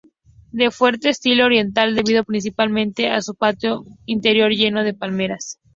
De fuerte estilo oriental debido principalmente a su patio interior lleno de palmeras.